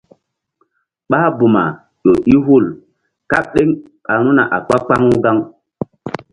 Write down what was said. Ɓáh buma ƴo i hul kaɓ ɗeŋ ɓa ru̧na a kpa-kpaŋu gaŋ.